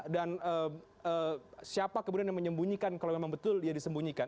dan siapa kemudian yang menyembunyikan kalau memang betul dia disembunyikan